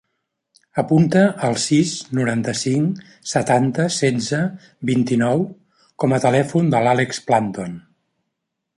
Apunta el sis, noranta-cinc, setanta, setze, vint-i-nou com a telèfon de l'Àlex Planton.